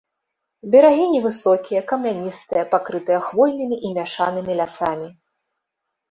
Берагі невысокія, камяністыя, пакрытыя хвойнымі і мяшанымі лясамі.